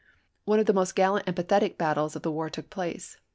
One of the most gallant and pathetic battles of the war took place.